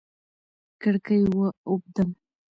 کړکۍ و اوبدم